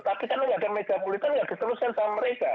tapi karena tidak ada megapulitan tidak ditelusurkan sama mereka